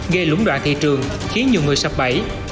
gây lũng đoạn thị trường khiến nhiều người sập bẫy